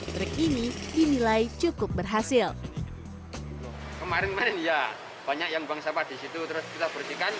trik ini dinilai cukup berhasil kemarin kemarin ya banyak yang bangsa pada situ terus kita bersihkan